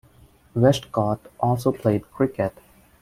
Westcott also played cricket.